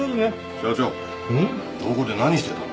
社長どこで何してたの？